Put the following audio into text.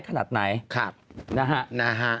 ขนาดไหนนะฮะ